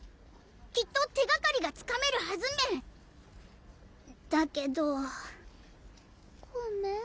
きっと手がかりがつかめるはずメンだけどコメ？